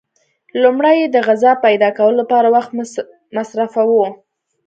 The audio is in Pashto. لومړی یې د غذا پیدا کولو لپاره وخت مصرفاوه.